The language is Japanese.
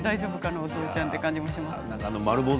お父ちゃんという感じがします。